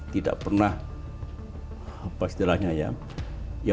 tidak pernah apa istilahnya ya